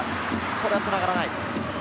これはつながらない。